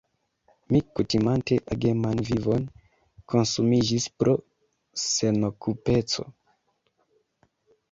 Mi, kutimante ageman vivon, konsumiĝis pro senokupeco.